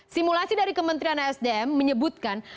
simulasi dari kementerian sdm menyebutkan